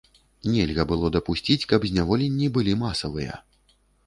Нельга было дапусціць, каб зняволенні былі масавыя.